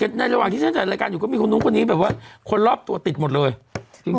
นี่ติดในระหว่างที่อย่างนั้นทางรายการอยู่ก็มีคนทุกนี้แบบว่าคนรอบตัวติดหมดเลยจริง